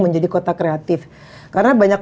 menjadi kota kreatif karena banyak